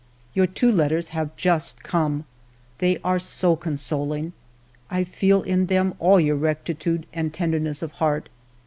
" Your two letters have just come ; they are so consoling. I feel in them all your rectitude and tenderness of heart.